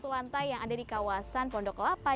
satu lantai yang ada di kawasan pondok lapa